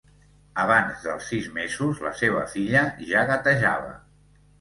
Abans dels sis mesos la seva filla ja gatejava.